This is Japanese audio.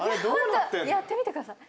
やってみてください。